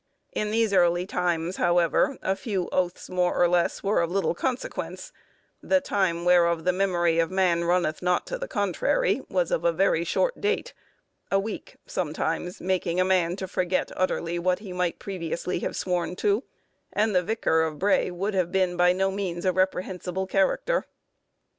In these early times, however, a few oaths, more or less, were of little consequence; the "time whereof the memory of man runneth not to the contrary" was of very short date; a week sometimes making a man to forget utterly what he might previously have sworn to; and the vicar of Bray would have been by no means a reprehensible character.